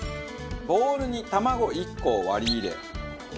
ボウルに卵１個を割り入れ。